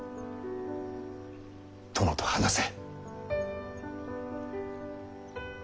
殿と話せ。